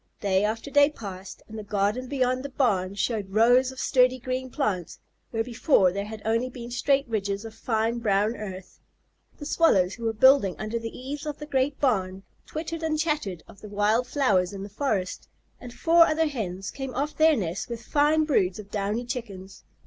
Day after day passed, and the garden beyond the barn showed rows of sturdy green plants, where before there had been only straight ridges of fine brown earth. The Swallows who were building under the eaves of the great barn, twittered and chattered of the wild flowers in the forest, and four other Hens came off their nests with fine broods of downy Chickens.